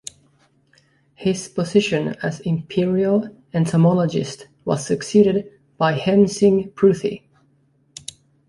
His position as Imperial Entomologist was succeeded by Hem Singh Pruthi.